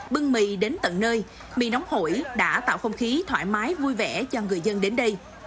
bưng mì đến tận nơi mì nóng hổi đã tạo không khí thoải mái vui vẻ cho người dân đến đây